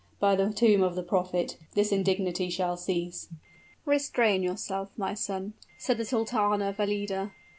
By the tomb of the prophet! this indignity shall cease!" "Restrain your wrath, my son," said the Sultana Valida.